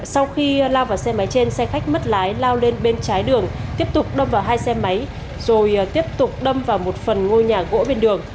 sau khi lao vào xe máy trên xe khách mất lái lao lên bên trái đường tiếp tục đâm vào hai xe máy rồi tiếp tục đâm vào một phần ngôi nhà gỗ bên đường